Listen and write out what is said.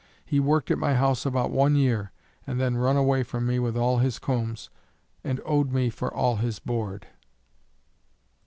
He worked at my house about one year, and then run away from me with all his combs, and owed me for all his board.